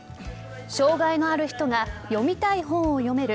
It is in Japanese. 障害のある人が読みたい本を読める